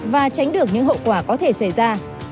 và tránh được những hậu quả có thể xảy ra